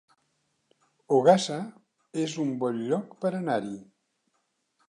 Ogassa es un bon lloc per anar-hi